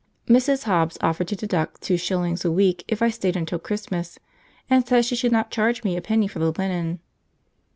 Mrs. Hobbs offered to deduct two shillings a week if I stayed until Christmas, and said she should not charge me a penny for the linen.